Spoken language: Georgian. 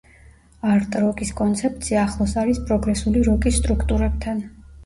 არტ როკის კონცეფცია ახლოს არის პროგრესული როკის სტრუქტურებთან.